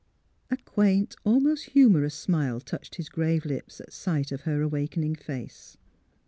'' A quaint, almost humorous smile touched his grave lips at sight of her awakening face.